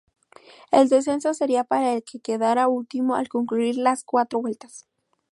El descenso sería para el que quedara último al concluir las cuatro vueltas.